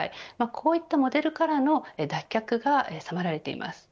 こういったモデルからの脱却が迫られています。